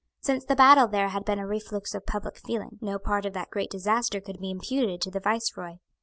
Since the battle there had been a reflux of public feeling. No part of that great disaster could be imputed to the Viceroy.